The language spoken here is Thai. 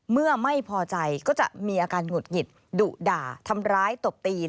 เมื่อไม่พอใจก็จะมีอาการหงุดหงิดดุด่าทำร้ายตบตี